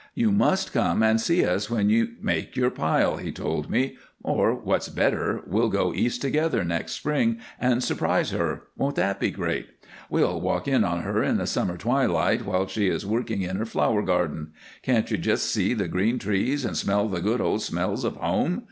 "You must come and see us when you make your pile," he told me, "or what's better we'll go East together next spring and surprise her. Won't that be great? We'll walk in on her in the summer twilight while she is working in her flower garden. Can't you just see the green trees and smell the good old smells of home?